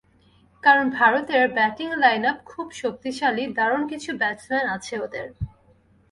কারণ ভারতের batting lineup খুব শক্তিশালী, দারুণ কিছু ব্যাটসম্যান আছে ওদের।